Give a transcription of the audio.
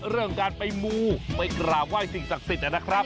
เรื่องการไปมูไปกราบไหว้สิ่งศักดิ์สิทธิ์นะครับ